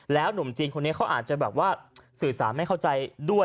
หนุ่มจีนคนนี้เขาอาจจะแบบว่าสื่อสารไม่เข้าใจด้วย